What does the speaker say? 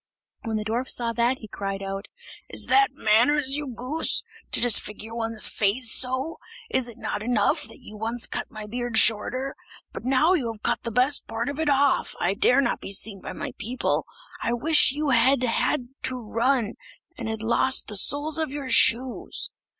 When the dwarf saw that, he cried out: "Is that manners, you goose! to disfigure one's face so? Is it not enough that you once cut my beard shorter? But now you have cut the best part of it off, I dare not be seen by my people. I wish you had had to run, and had lost the soles of your shoes!"